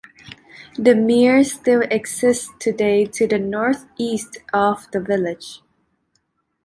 The mere still exists today to the north-east of the village.